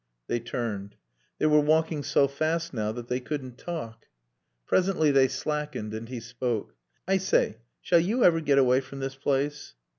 They turned. They were walking so fast now that they couldn't talk. Presently they slackened and he spoke. "I say, shall you ever get away from this place?"